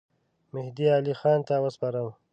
مهدي علي خان ته وسپارم.